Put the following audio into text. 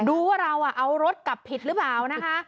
ดูว่าเราเอารถกลับผิดหรือเปล่านะคะ